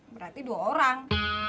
berarti dua orang